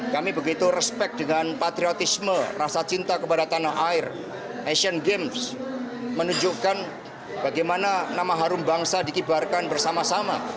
kami begitu respect dengan patriotisme rasa cinta kepada tanah air asian games menunjukkan bagaimana nama harum bangsa dikibarkan bersama sama